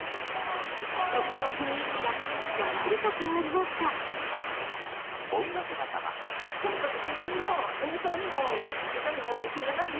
曲の雰囲気がガラリと変わりましたとにかく。